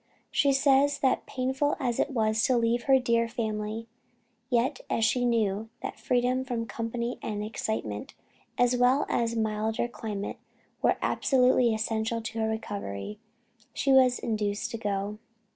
She says that painful as it was to leave her dear family, yet as she knew that freedom from company and excitement, as well as a milder climate, were absolutely essential to her recovery, she was induced to go.